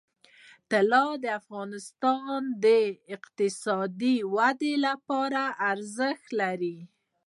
طلا د افغانستان د اقتصادي ودې لپاره ارزښت لري.